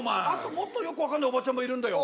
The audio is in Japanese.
もっとよく分かんないおばちゃんもいるんだよ。